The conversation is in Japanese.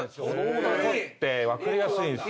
男って分かりやすいんすよ。